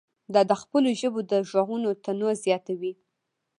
دا د خپلو ژبو د غږونو تنوع زیاتوي.